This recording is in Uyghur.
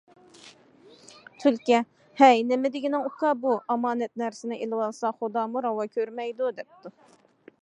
تۈلكە- ھەي نېمە دېگىنىڭ ئۇكا بۇ، ئامانەت نەرسىنى ئىلىۋالسا خۇدامۇ راۋا كۆرمەيدۇ دەپتۇ.